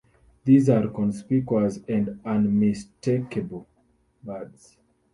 These are conspicuous and unmistakable birds.